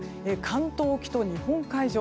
関東沖と日本海上。